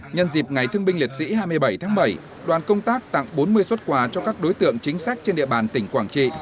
nhân dịp ngày thương binh liệt sĩ hai mươi bảy tháng bảy đoàn công tác tặng bốn mươi xuất quà cho các đối tượng chính sách trên địa bàn tỉnh quảng trị